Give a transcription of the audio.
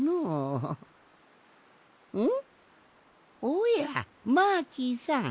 おやマーキーさん。